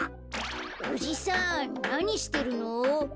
おじさんなにしてるの？